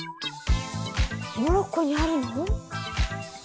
モロッコにあるの？